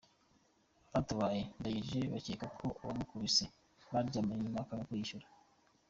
Abatabaye Ndagije bakeka ko uwamukubise baryamanye nyuma akanga kuyishyura.